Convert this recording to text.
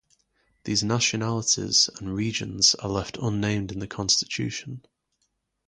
These nationalities and regions are left unnamed in the Constitution.